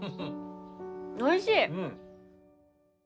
おいしい。